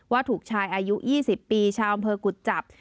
ว่าถูกชายอายุ๒๐ปีชาวอำเภอกุจจับ